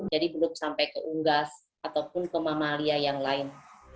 jadi belum sampai ke unggas ataupun ke mamalia yang lain